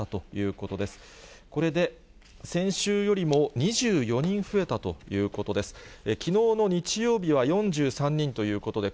これで先週よりも２４人増えたということです。